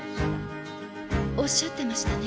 おっしゃってましたね。